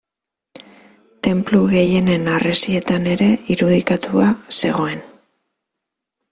Tenplu gehienen harresietan ere irudikatua zegoen.